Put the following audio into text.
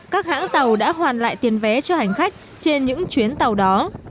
các hãng tàu đã hoàn lại tiền vé cho hành khách trên những chuyến tàu đó